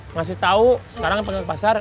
masih tau sekarang pengen ke pasar